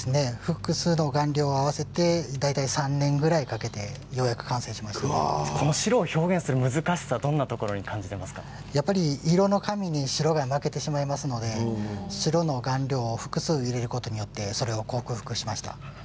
複数の顔料を合わせて大体３年ぐらいかけて白を表現する難しさは色の紙に白が負けてしまいますので白の顔料を複数入れることによってそれを克服しました。